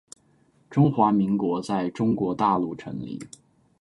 中华民国在中国大陆成立